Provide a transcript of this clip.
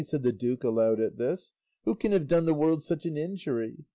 said the duke aloud at this, "who can have done the world such an injury?